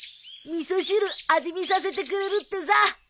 味噌汁味見させてくれるってさ。